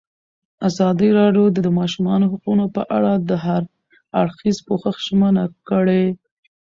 ازادي راډیو د د ماشومانو حقونه په اړه د هر اړخیز پوښښ ژمنه کړې.